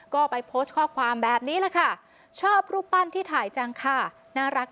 ก็ไปโพสต์ข้อความแบบนี้แหละค่ะชอบรูปปั้นที่ถ่ายจังค่ะน่ารัก